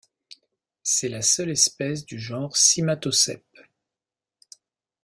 C'est la seule espèce du genre Cymatoceps.